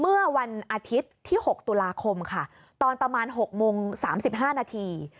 เมื่อวันอาทิตย์ที่๖ตุลาคมค่ะตอนประมาณ๖โมง๓๕นาที